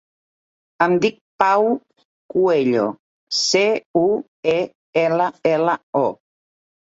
Em dic Pau Cuello: ce, u, e, ela, ela, o.